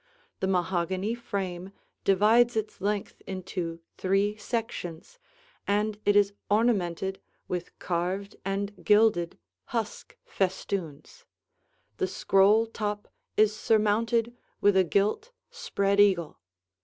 The mahogany frame divides its length into three sections, and it is ornamented with carved and gilded husk festoons; the scroll top is surmounted with a gilt spread eagle.